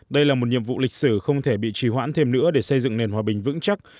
đây là một nhiệm vụ lịch sử không thể bị trì hoãn thêm nữa để xây dựng nền hòa bình vững chắc